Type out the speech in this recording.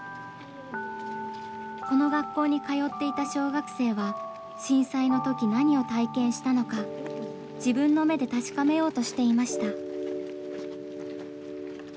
この学校に通っていた小学生は震災の時何を体験したのか自分の目で確かめようとしていました。